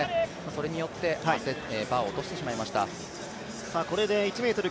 それによってバーを落としてくれました。